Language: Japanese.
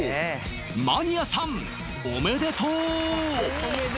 マニアさんおめでとう！